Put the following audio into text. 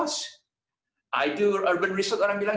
saya melakukan riset urban orang bilang